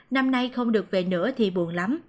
năm nay không được về nữa thì buồn lắm